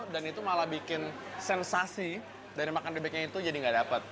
dan itu malah bikin sensasi dari makan bebeknya itu jadi tidak dapat